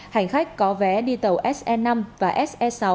hành khách có vé đi tàu se năm và se sáu